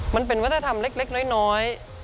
มันเป็นวัฒนธรรมเล็กน้อย